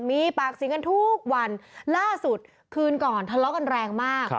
มีปากเสียงกันทุกวันล่าสุดคืนก่อนทะเลาะกันแรงมาก